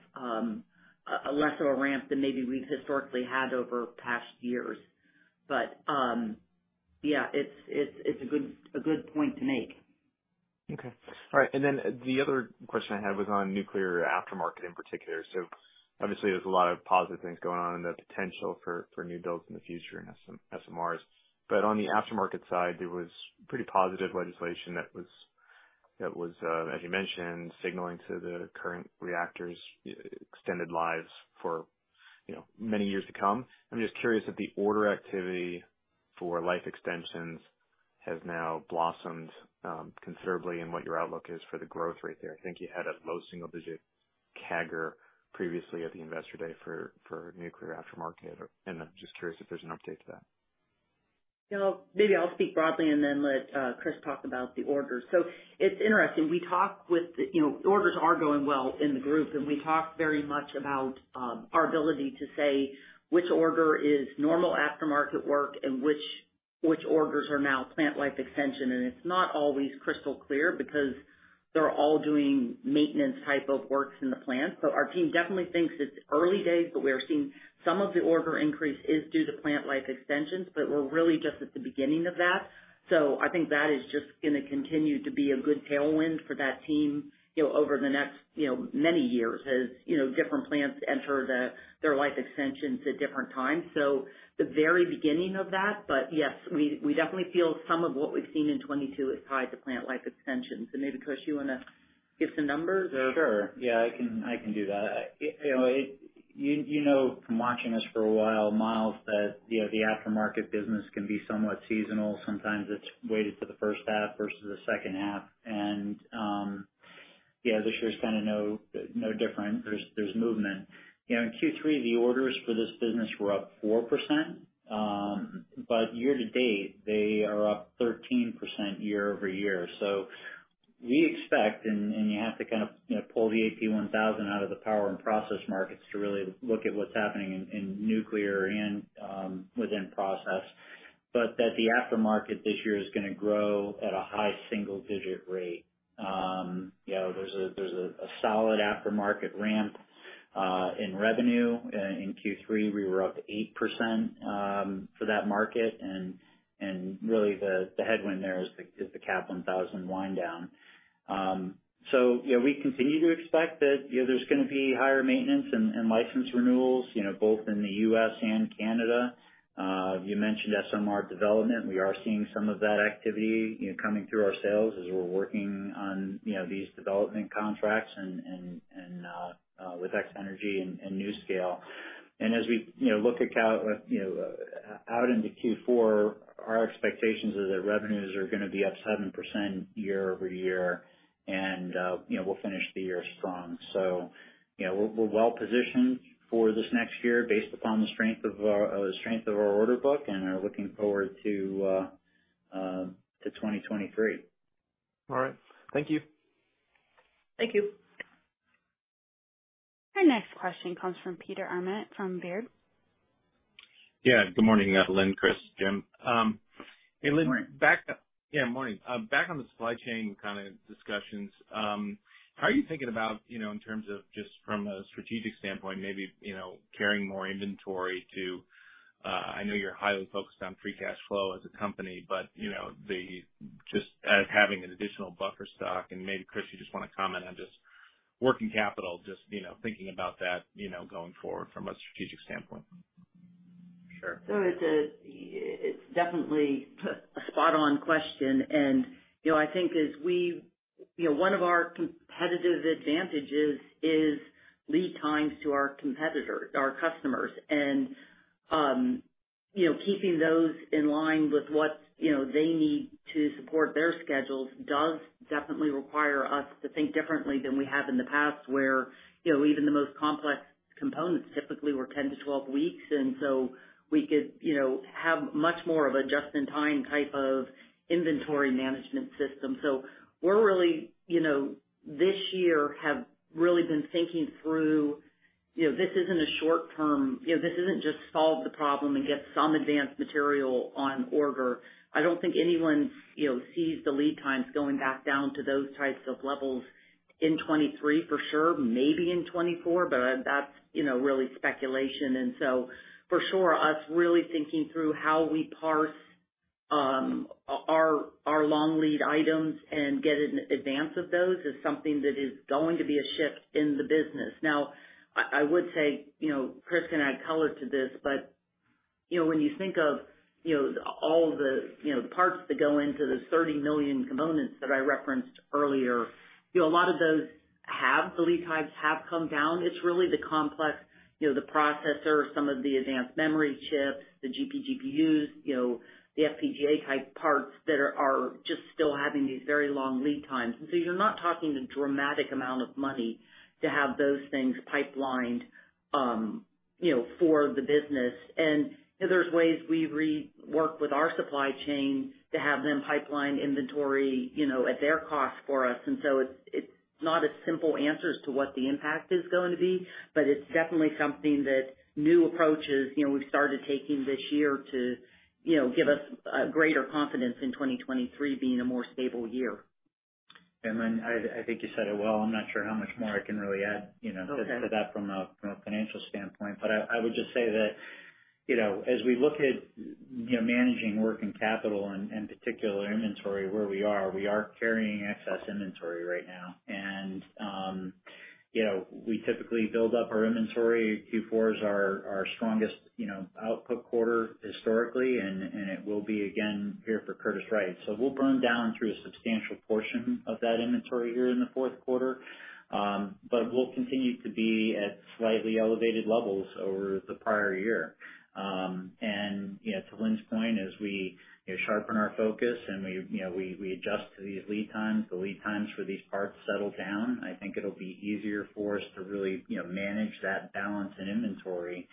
Speaker 3: a less of a ramp than maybe we've historically had over past years. Yeah, it's a good point to make.
Speaker 7: Okay. All right, the other question I had was on nuclear aftermarket in particular. Obviously there's a lot of positive things going on in the potential for new builds in the future in SMRs. On the aftermarket side, there was pretty positive legislation that was, as you mentioned, signaling to the current reactors extended lives for, you know, many years to come. I'm just curious if the order activity for life extensions has now blossomed considerably and what your outlook is for the growth rate there. I think you had a low single-digit CAGR previously at the investor day for nuclear aftermarket. I'm just curious if there's an update to that.
Speaker 3: You know, maybe I'll speak broadly and then let Chris talk about the orders. It's interesting. Orders are going well in the group, and we talk very much about our ability to say which order is normal aftermarket work and which orders are now plant life extension. It's not always crystal clear because they're all doing maintenance type of works in the plant. Our team definitely thinks it's early days, but we're seeing some of the order increase is due to plant life extensions, but we're really just at the beginning of that. I think that is just gonna continue to be a good tailwind for that team, you know, over the next, you know, many years as, you know, different plants enter their life extensions at different times. The very beginning of that. Yes, we definitely feel some of what we've seen in 2022 is tied to plant life extensions. Maybe, Chris, you wanna give some numbers or?
Speaker 4: Sure. Yeah, I can do that. You know, you know from watching us for a while, Miles, that you know the aftermarket business can be somewhat seasonal. Sometimes it's weighted to the first half versus the second half. Yeah, this year's kind of no different. There's movement. You know, in Q3, the orders for this business were up 4%, but year to date, they are up 13% year-over-year. We expect, and you have to kind of you know pull the AP1000 out of the power and process markets to really look at what's happening in nuclear and within process. But the aftermarket this year is gonna grow at a high single-digit rate. You know, there's a solid aftermarket ramp in revenue. In Q3, we were up 8% for that market and really the headwind there is the AP1000 wind down. You know, we continue to expect that you know there's gonna be higher maintenance and license renewals you know both in the U.S. and Canada. You mentioned SMR development. We are seeing some of that activity you know coming through our sales as we're working on you know these development contracts and with X-energy and NuScale. As we you know look you know out into Q4, our expectations are that revenues are gonna be up 7% year-over-year and you know we'll finish the year strong. You know, we're well-positioned for this next year based upon the strength of our order book, and are looking forward to 2023.
Speaker 7: All right. Thank you.
Speaker 1: Thank you. Our next question comes from Peter Arment from Baird.
Speaker 8: Yeah. Good morning, Lynn, Chris, Jim. Hey, Lynn.
Speaker 4: Morning.
Speaker 8: Yeah, morning. Back on the supply chain kind of discussions, how are you thinking about, you know, in terms of just from a strategic standpoint, maybe, you know, carrying more inventory to, I know you're highly focused on free cash flow as a company, but, you know, the just as having an additional buffer stock. Maybe, Chris, you just wanna comment on just working capital, just, you know, thinking about that, you know, going forward from a strategic standpoint.
Speaker 4: Sure.
Speaker 3: It’s definitely a spot-on question. You know, I think one of our competitive advantages is lead times to our customers. You know, keeping those in line with what, you know, they need to support their schedules does definitely require us to think differently than we have in the past, where, you know, even the most complex components typically were 10-12 weeks, and so we could, you know, have much more of a just-in-time type of inventory management system. We're really, you know, this year, have really been thinking through, you know, this isn't just solve the problem and get some advanced material on order. I don't think anyone, you know, sees the lead times going back down to those types of levels in 2023 for sure, maybe in 2024, but that's, you know, really speculation. For sure, we're really thinking through how we purchase our long lead items and get ahead of those is something that is going to be a shift in the business. Now, I would say, you know, Chris can add color to this, but, you know, when you think of, you know, all the, you know, parts that go into the 30 million components that I referenced earlier, you know, a lot of those have, the lead times have come down. It's really the complex, you know, the processor, some of the advanced memory chips, the GPGPUs, you know, the FPGA-type parts that are just still having these very long lead times. You're not talking a dramatic amount of money to have those things pipelined, you know, for the business. You know, there's ways we work with our supply chain to have them pipeline inventory, you know, at their cost for us. It's not a simple answer as to what the impact is going to be, but it's definitely something that new approaches, you know, we've started taking this year to, you know, give us greater confidence in 2023 being a more stable year.
Speaker 4: Yeah, Lynn, I think you said it well. I'm not sure how much more I can really add, you know.
Speaker 3: Okay
Speaker 4: to that from a financial standpoint. I would just say that, you know, as we look at, you know, managing working capital and in particular inventory where we are carrying excess inventory right now. We typically build up our inventory. Q4 is our strongest, you know, output quarter historically, and it will be again here for Curtiss-Wright. We'll burn down through a substantial portion of that inventory here in the fourth quarter, but we'll continue to be at slightly elevated levels over the prior year. You know, to Lynn's point, as we, you know, sharpen our focus and we, you know, adjust to these lead times, the lead times for these parts settle down. I think it'll be easier for us to really, you know, manage that balance and inventory.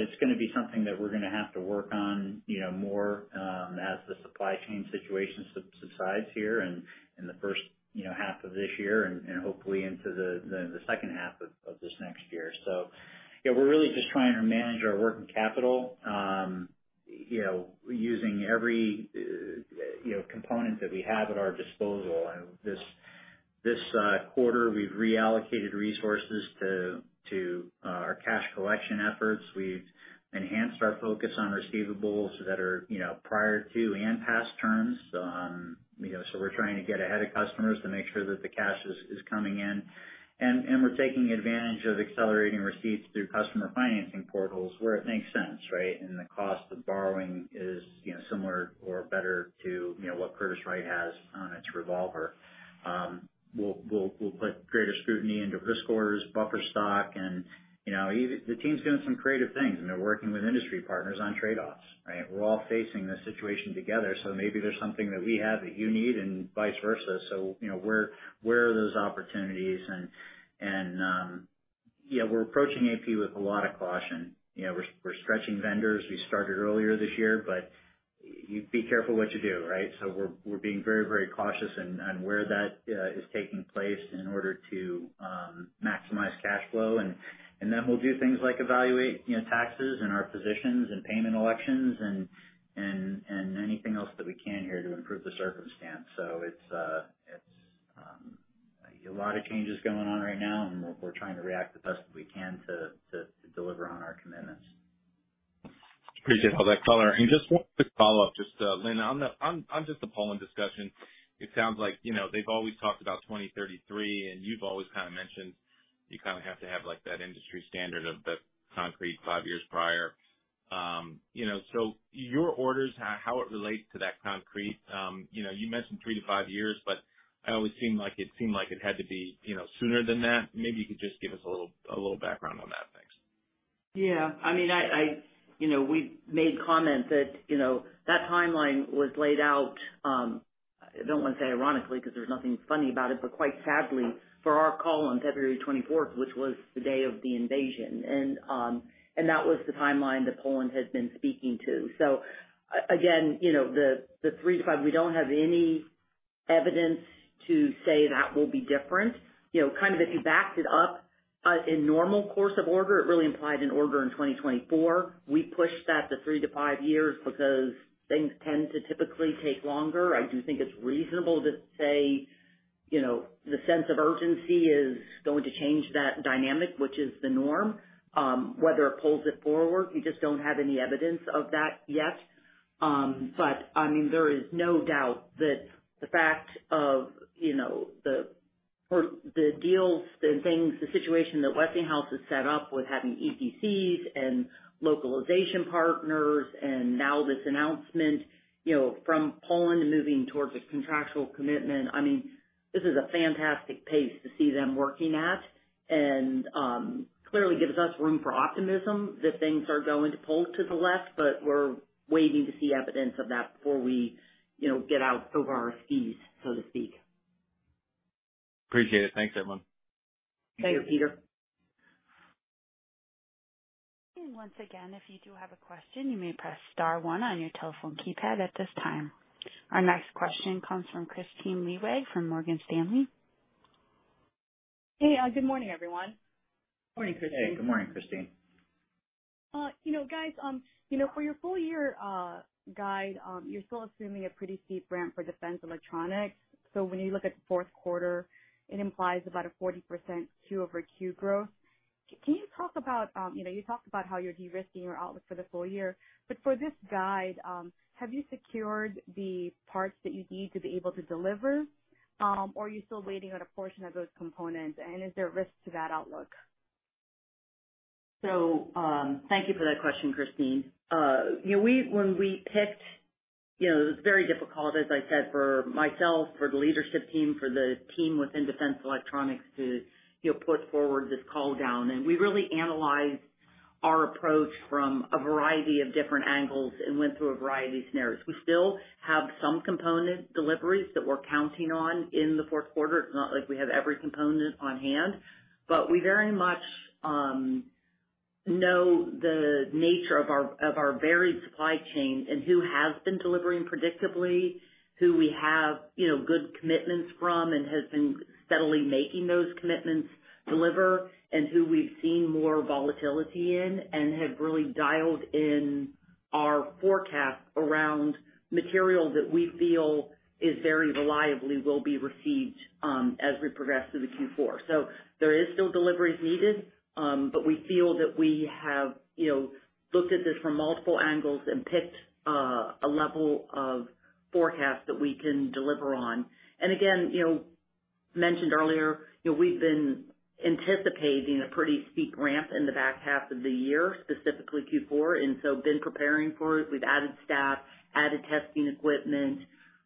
Speaker 4: It's gonna be something that we're gonna have to work on, you know, more, as the supply chain situation subsides here in the first, you know, half of this year and hopefully into the second half of this next year. Yeah, we're really just trying to manage our working capital, you know, using every, you know, component that we have at our disposal. This quarter, we've reallocated resources to our cash collection efforts. We've enhanced our focus on receivables that are, you know, prior to and past terms. You know, we're trying to get ahead of customers to make sure that the cash is coming in. We're taking advantage of accelerating receipts through customer financing portals where it makes sense, right? The cost of borrowing is, you know, similar or better to, you know, what Curtiss-Wright has on its revolver. We'll put greater scrutiny into risk orders, buffer stock, and, you know, the team's doing some creative things, and they're working with industry partners on trade-offs, right? We're all facing this situation together, so maybe there's something that we have that you need and vice versa. You know, where are those opportunities? Yeah, we're approaching AP with a lot of caution. You know, we're stretching vendors. We started earlier this year, but you be careful what you do, right? We're being very, very cautious in on where that is taking place in order to maximize cash flow. Then we'll do things like evaluate, you know, taxes and our positions and payment elections and anything else that we can here to improve the circumstance. It's a lot of changes going on right now, and we're trying to react the best that we can to deliver on our commitments.
Speaker 8: Appreciate all that color. Just one quick follow-up just to Lynn. On just the Poland discussion, it sounds like, you know, they've always talked about 2033, and you've always kinda mentioned you kinda have to have, like, that industry standard of the concrete five years prior. You know, your orders, how it relates to that concrete, you know, you mentioned three to five years, but it always seemed like it had to be, you know, sooner than that. Maybe you could just give us a little background on that. Thanks.
Speaker 3: Yeah. I mean, you know, we've made comments that, you know, that timeline was laid out. I don't wanna say ironically, 'cause there's nothing funny about it, but quite sadly for our call on February 24th, which was the day of the invasion. That was the timeline that Poland had been speaking to. Again, you know, the three to five, we don't have any evidence to say that will be different. You know, kind of if you backed it up, in normal course of order, it really implied an order in 2024. We pushed that to three to five years because things tend to typically take longer. I do think it's reasonable to say, you know, the sense of urgency is going to change that dynamic, which is the norm. Whether it pulls it forward, we just don't have any evidence of that yet. But I mean, there is no doubt that the fact of, you know, the deals, the things, the situation that Westinghouse has set up with having EPCs and localization partners and now this announcement, you know, from Poland moving towards a contractual commitment, I mean, this is a fantastic pace to see them working at. Clearly gives us room for optimism that things are going to pull to the left, but we're waiting to see evidence of that before we, you know, get out over our skis, so to speak.
Speaker 8: Appreciate it. Thanks, everyone.
Speaker 3: Thank you, Peter.
Speaker 1: Once again, if you do have a question, you may press star one on your telephone keypad at this time. Our next question comes from Kristine Liwag from Morgan Stanley.
Speaker 9: Hey, good morning, everyone.
Speaker 3: Morning, Kristine.
Speaker 4: Hey, good morning, Kristine.
Speaker 9: You know, guys, you know, for your full-year guide, you're still assuming a pretty steep ramp for defense electronics. When you look at the fourth quarter, it implies about a 40% Q-over-Q growth. Can you talk about, you know, you talked about how you're de-risking your outlook for the full year, but for this guide, have you secured the parts that you need to be able to deliver? Or are you still waiting on a portion of those components, and is there risk to that outlook?
Speaker 3: Thank you for that question, Kristine. You know, when we picked, you know, it was very difficult, as I said, for myself, for the leadership team, for the team within defense electronics to, you know, put forward this call down. We really analyzed our approach from a variety of different angles and went through a variety of scenarios. We still have some component deliveries that we're counting on in the fourth quarter. It's not like we have every component on hand. We very much know the nature of our varied supply chain and who has been delivering predictably, who we have, you know, good commitments from and has been steadily making those commitments deliver, and who we've seen more volatility in and have really dialed in our forecast around material that we feel is very reliably will be received, as we progress through the Q4. There is still deliveries needed, but we feel that we have, you know, looked at this from multiple angles and picked a level of forecast that we can deliver on. Again, you know, mentioned earlier, you know, we've been anticipating a pretty steep ramp in the back half of the year, specifically Q4, and so been preparing for it. We've added staff, added testing equipment,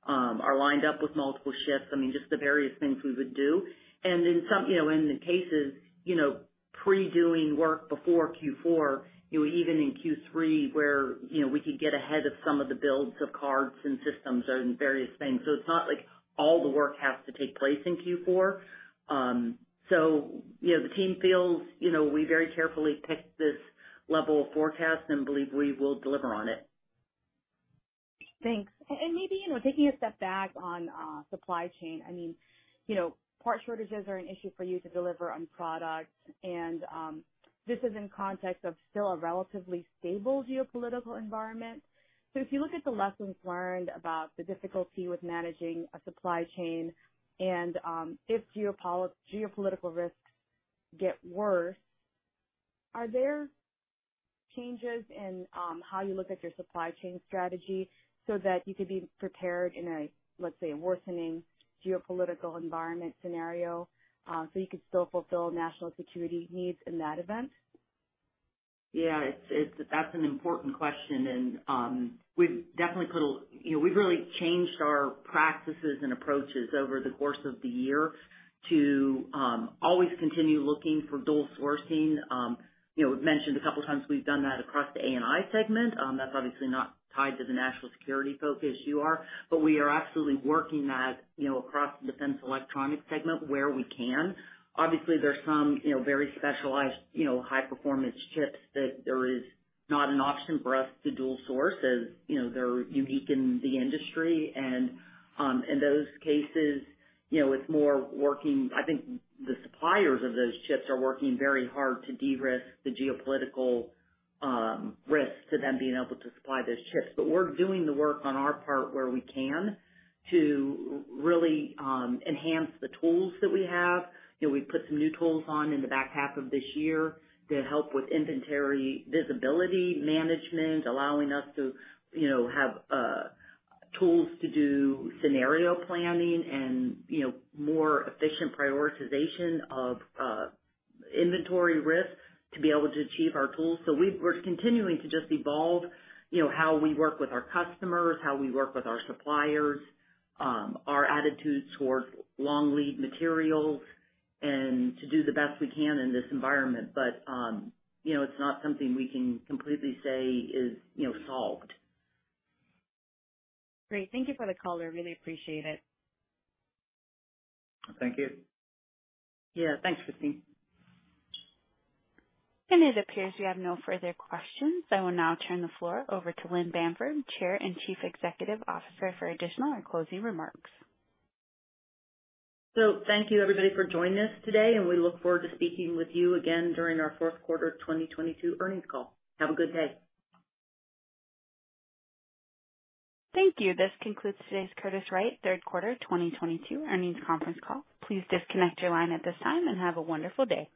Speaker 3: are lined up with multiple shifts. I mean, just the various things we would do. In some, you know, in the cases, you know, pre-doing work before Q4, you know, even in Q3, where, you know, we could get ahead of some of the builds of cards and systems and various things. It's not like all the work has to take place in Q4. You know, the team feels, you know, we very carefully picked this level of forecast and believe we will deliver on it.
Speaker 9: Thanks. Maybe, you know, taking a step back on supply chain, I mean, you know, part shortages are an issue for you to deliver on products. This is in context of still a relatively stable geopolitical environment. If you look at the lessons learned about the difficulty with managing a supply chain and if geopolitical risks get worse, are there changes in how you look at your supply chain strategy so that you could be prepared in a, let's say, worsening geopolitical environment scenario, so you could still fulfill national security needs in that event?
Speaker 3: Yeah, that's an important question, and you know, we've really changed our practices and approaches over the course of the year to always continue looking for dual sourcing. You know, we've mentioned a couple of times we've done that across the A&I segment. That's obviously not tied to the national security focus you're. We are absolutely working that, you know, across the defense electronics segment where we can. Obviously there are some, you know, very specialized, you know, high-performance chips that there is not an option for us to dual source, as you know, they're unique in the industry. In those cases, you know, I think the suppliers of those chips are working very hard to de-risk the geopolitical risks to them being able to supply those chips. We're doing the work on our part where we can to really enhance the tools that we have. You know, we put some new tools on in the back half of this year to help with inventory visibility management, allowing us to, you know, have tools to do scenario planning and, you know, more efficient prioritization of inventory risks to be able to achieve our tools. We're continuing to just evolve, you know, how we work with our customers, how we work with our suppliers, our attitudes towards long lead materials and to do the best we can in this environment. You know, it's not something we can completely say is, you know, solved.
Speaker 9: Great. Thank you for the color. Really appreciate it.
Speaker 4: Thank you.
Speaker 3: Yeah, thanks, Kristine.
Speaker 1: It appears we have no further questions. I will now turn the floor over to Lynn Bamford, Chair and Chief Executive Officer, for additional and closing remarks.
Speaker 3: Thank you, everybody for joining us today, and we look forward to speaking with you again during our Fourth Quarter of 2022 Earnings Call. Have a good day.
Speaker 1: Thank you. This concludes today's Curtiss-Wright Third Quarter 2022 Earnings Conference Call. Please disconnect your line at this time and have a wonderful day.